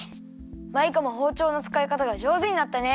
マイカもほうちょうのつかいかたがじょうずになったね。